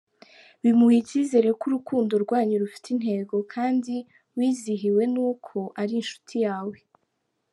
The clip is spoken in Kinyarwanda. Bimuha icyizere ko urukundo rwanyu rufite intego kandi wizihiwe n’uko ari inshuti yawe.